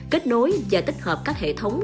kết nối và tích hợp các hệ thống